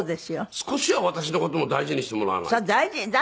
少しは私の事も大事にしてもらわないと。